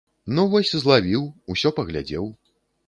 Ну вось злавіў, усё паглядзеў.